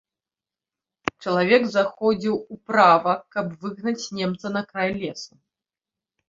Чалавек заходзіў управа, каб выгнаць немца на край лесу.